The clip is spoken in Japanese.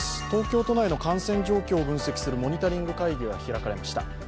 東京都内の感染状況を分析するモニタリング会議が行われました。